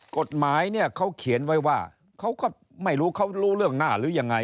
กฎหมายเนี่ยเขาเขียนไว้ว่าเขาก็ไม่รู้เขารู้เรื่องหน้าหรือยังไง